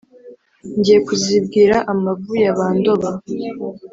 njye kuzibwira amavu ya ba ndoba.